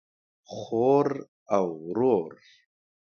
خور او ورور